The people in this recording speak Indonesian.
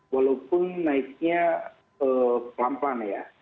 walaupun naiknya pelampan ya